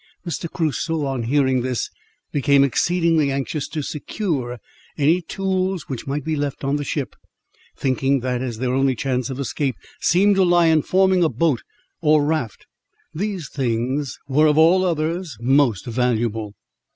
Mr. Crusoe, on hearing this, became exceedingly anxious to secure any tools which might be left on the ship, thinking that as their only chance of escape seemed to lie in forming a boat, or raft, these things were of all others most valuable.